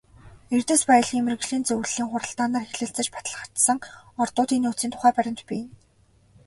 Эрдэс баялгийн мэргэжлийн зөвлөлийн хуралдаанаар хэлэлцэж баталгаажсан ордуудын нөөцийн тухай баримт бий.